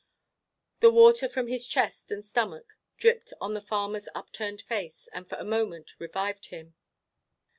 The water from his chest and stomach dripped on the farmer's upturned face, and for a moment revived him.